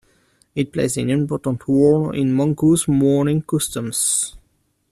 It plays an important role in Manchu's mourning customs.